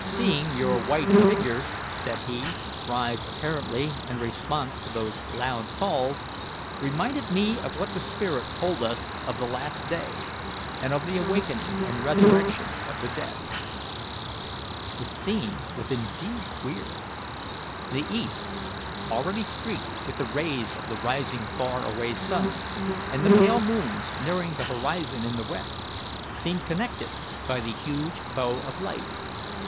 "Seeing your white figures," said he, "rise apparently in response to those loud calls, reminded me of what the spirit told us of the last day, and of the awakening and resurrection of the dead." The scene was indeed weird. The east, already streaked with the rays of the rising far away sun, and the pale moons nearing the horizon in the west, seemed connected by the huge bow of light.